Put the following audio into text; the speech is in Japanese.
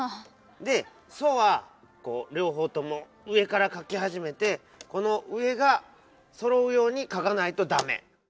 で「ソ」はりょうほうとも上から書きはじめてこの上がそろうように書かないとダメ。